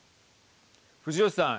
藤吉さん。